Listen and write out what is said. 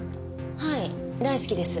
はい大好きです。